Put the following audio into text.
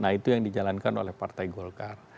nah itu yang dijalankan oleh partai golkar